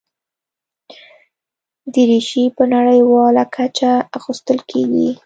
دریشي په نړیواله کچه اغوستل کېږي.